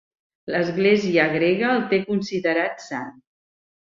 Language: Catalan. L'església grega el té considerat sant.